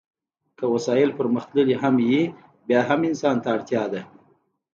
که وسایل پرمختللي هم وي بیا هم انسان ته اړتیا ده.